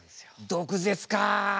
毒舌か。